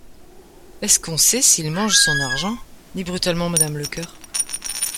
Est-ce qu’on sait s’il mange son argent ! dit brutalement madame Lecœur.